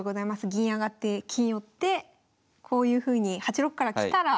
銀上がって金寄ってこういうふうに８六から来たら。